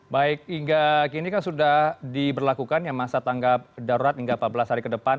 baik hingga kini kan sudah diberlakukan yang masa tanggap darurat hingga empat belas hari ke depan